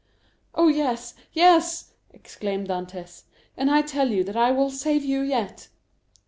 "Oh, yes, yes!" exclaimed Dantès; "and I tell you that I will save you yet."